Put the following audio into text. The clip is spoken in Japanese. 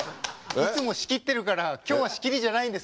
いつも仕切ってるから今日は仕切りじゃないんです